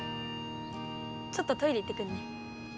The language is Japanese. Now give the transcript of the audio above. ちょっとトイレ行ってくるね。